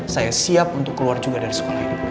saya siap untuk keluar juga dari sekolah ini